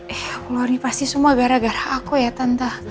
eh glori pasti semua gara gara aku ya tante